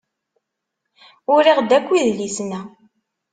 Uriɣ-d akk idlisen-a.